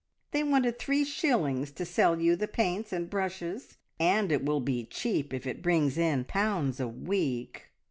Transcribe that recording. They wanted three shillings to sell you the paints and brushes, and it will be cheap if it brings in pounds a week.